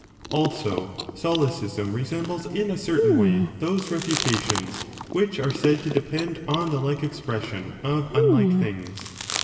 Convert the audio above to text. Also, Solecism resembles in a certain way those refutations which are said to depend on the like expression of unlike things.